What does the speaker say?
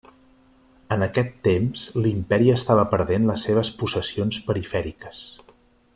En aquest temps l'imperi estava perdent les seves possessions perifèriques.